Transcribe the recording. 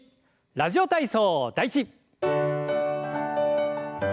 「ラジオ体操第１」。